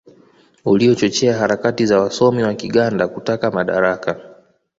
uliochochea harakati za wasomi wa Kiganda kutaka madaraka